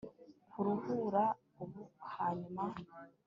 kuruhura ubu hanyuma